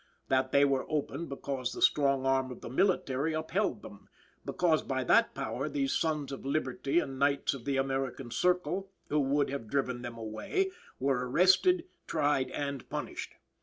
that they were open because the strong arm of the military upheld them; because by that power these Sons of Liberty and Knights of the American Circle, who would have driven them away, were arrested, tried and punished.